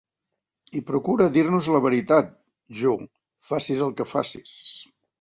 I procura dir-nos la veritat, Jo, facis el que facis.